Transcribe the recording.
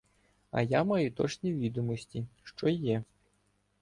А я маю точні відомості, що є.